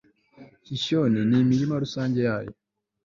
kishyoni n'imirima rusange yayo